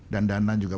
dan dana juga